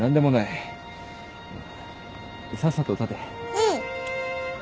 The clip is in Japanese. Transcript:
うん。